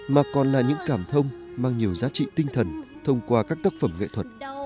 mà còn là những cảm thông mang nhiều giá trị tinh thần thông qua các tác phẩm nghệ thuật